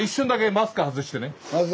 マスク外して。